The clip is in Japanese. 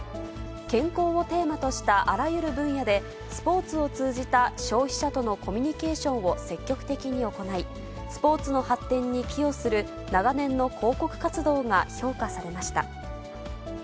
健康をテーマとしたあらゆる分野で、スポーツを通じた消費者とのコミュニケーションを積極的に行い、スポーツの発展に寄与する長年の広告活動が評価されました。